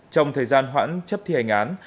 trong thời gian khoản chấp thi hành án